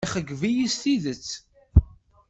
Ixeyyeb-iyi s tidet.